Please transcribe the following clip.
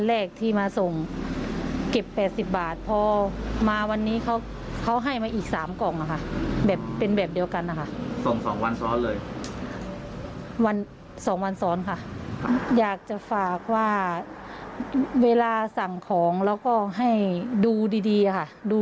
แล้วเมื่อวานนี้ตอนที่เขามาส่งทำไมตัดสินใจเซ็นรับกล่องนะครับ